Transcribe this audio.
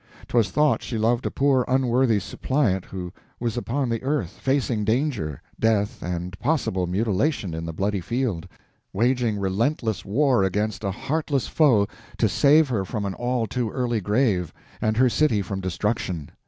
'Twas thought she loved a poor unworthy suppliant who was upon the earth, facing danger, death, and possible mutilation in the bloody field, waging relentless war against a heartless foe to save her from an all too early grave, and her city from destruction.